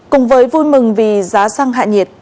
cùng với vui mừng vì giá xăng hạ nhiệt